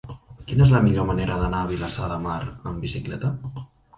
Quina és la millor manera d'anar a Vilassar de Mar amb bicicleta?